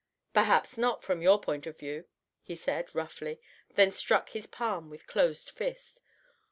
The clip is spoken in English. "Perhaps not, from your point of view," he said, roughly, then struck his palm with closed fist.